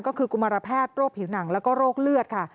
ก็คือกุมารแพทย์โรคผิวหนังแล้วก็โรคเลือดค่ะ